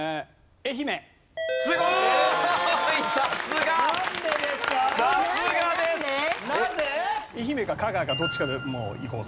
愛媛か香川かどっちかでもういこうと。